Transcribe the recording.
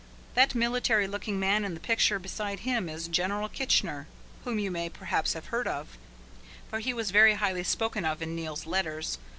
That military looking man in the picture beside him is General Kitchener, whom you may perhaps have heard of, for he was very highly spoken of in Neil's letters.